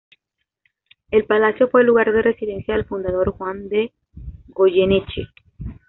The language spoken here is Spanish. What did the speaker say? El palacio fue el lugar de residencia del fundador Juan de Goyeneche.